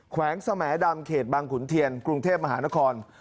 แวงสแหมดำเขตบางขุนเทียนกรุงเทพมหานคร